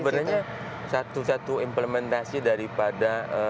sebenarnya satu satu implementasi daripada